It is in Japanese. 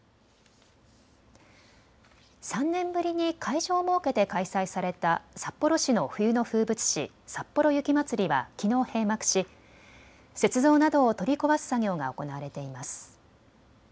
３年ぶりに会場を設けて開催された札幌市の冬の風物詩、さっぽろ雪まつりはきのう閉幕し雪像などを取り壊す作業が行われています。